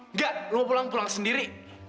nggak lu mau pulang pulang sendiri